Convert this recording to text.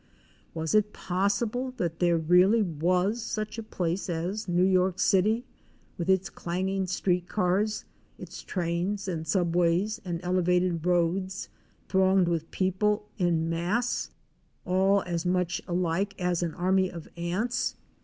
Was it possible that there really was such a place as New York City, with its clanging street cars, its trains and subways and elevated roads thronged with people, en masse all as much alike as an army of ants?